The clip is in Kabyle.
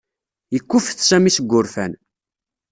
Yekkuffet Sami seg wurfan.